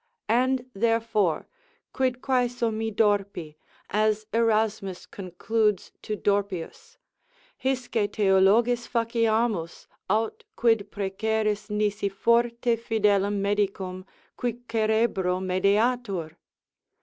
And therefore, Quid quaeso mi Dorpi, as Erasmus concludes to Dorpius, hisce Theologis faciamus, aut quid preceris, nisi forte fidelem medicum, qui cerebro medeatur?